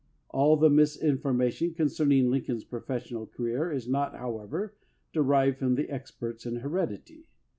All the misinformation concerning Lincoln's professional career is not, however, derived from the experts in heredity.